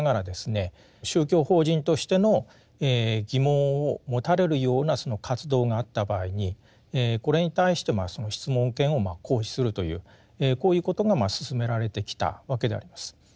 宗教法人としての疑問を持たれるようなその活動があった場合にこれに対してその質問権を行使するというこういうことが進められてきたわけであります。